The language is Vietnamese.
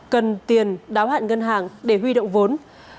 cần tiền đáo hạn ngân hàng để huy động vốn